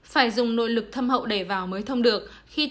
phải dùng nội lực thâm hậu để vào mới thông được